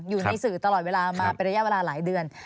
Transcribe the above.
อยู่ในสื่อตลอดเวลามาเป็นระยะเวลาหลายเดือน